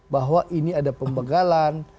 bahwa ini ada pembegalan